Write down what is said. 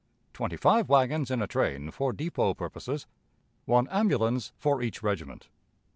Twenty five wagons in a train for depot purposes. One ambulance for each regiment.